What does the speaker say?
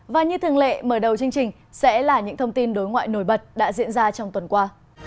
và như thường lệ mở đầu chương trình sẽ là những thông tin đối ngoại nổi bật đã diễn ra trong tuần qua